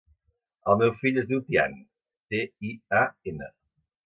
El meu fill es diu Tian: te, i, a, ena.